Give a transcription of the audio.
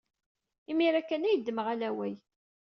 Imir-a kan ay ddmeɣ alaway.